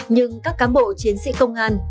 nhưng các cán bộ chiến sĩ công an